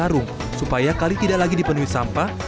karung supaya kali tidak lagi dipenuhi sampah